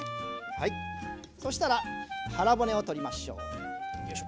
はいそしたら腹骨を取りましょう。